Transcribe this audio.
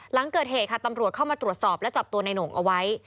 หลังเกิดเหตุค่ะตำรวจเข้ามาตรวจสอบและจับตัวในหน่งเอาไว้